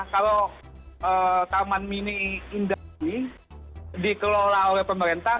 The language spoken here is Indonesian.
kalau taman mini indah ini dikelola oleh pemerintah